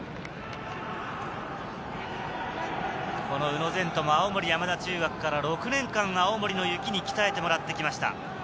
この宇野禅斗も青森山田中学から６年間、青森の雪に鍛えてもらってきました。